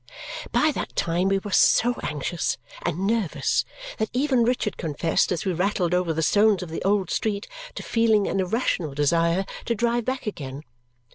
By that time we were so anxious and nervous that even Richard confessed, as we rattled over the stones of the old street, to feeling an irrational desire to drive back again.